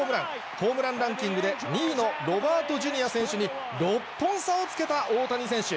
ホームランランキングで２位のロバートジュニア選手に６本差をつけた大谷選手。